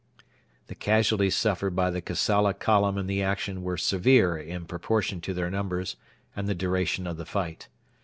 The casualties suffered by the Kassala column in the action were severe in proportion to their numbers and the duration of the fight.